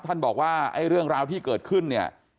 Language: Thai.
ท่านบอกว่าไอ้เรื่องราวที่เกิดขึ้นเนี่ย